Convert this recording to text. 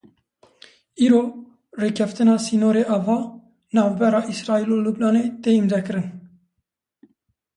Îro rêkeftina sînorê ava navbera Îsraîl û Lubnanê tê îmzekirin.